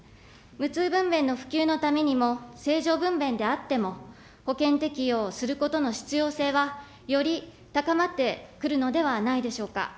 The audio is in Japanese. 無痛分娩の普及のためにも正常分娩であっても、保険適用をすることの必要性は、より高まってくるのではないでしょうか。